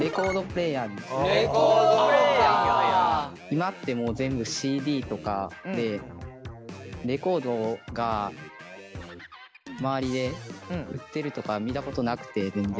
今ってもう全部ＣＤとかでレコードが周りで売ってるとか見たことなくて全然。